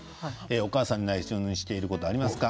お母さんにないしょにしていることありますか？